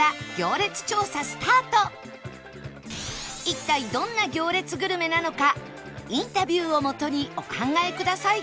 一体どんな行列グルメなのかインタビューをもとにお考えください